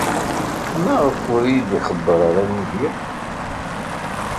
Maɣef ur iyi-d-ixebber ara Yidir?